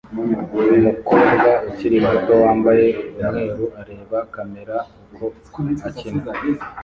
Umukobwa ukiri muto wambaye umweru areba kamera uko akina